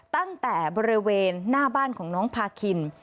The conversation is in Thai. ตั้งแต่บริเวณหน้าบ้านของน้องพาคิน